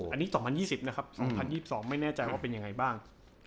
อันนี้๒๐๒๐นะครับ๒๐๒๒ไม่แน่ใจว่าเป็นยังไงบ้าง